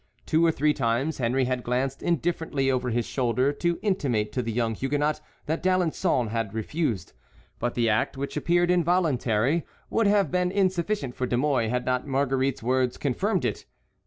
Two or three times Henry had glanced indifferently over his shoulder to intimate to the young Huguenot that D'Alençon had refused; but the act, which appeared involuntary, would have been insufficient for De Mouy, had not Marguerite's words confirmed it.